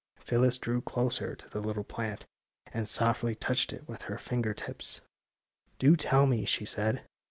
Phyllis drew closer to the little plant and softly touched it with her finger tips. '* Do tell me," she said.